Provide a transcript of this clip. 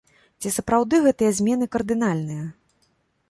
Ці сапраўды гэтыя змены кардынальныя?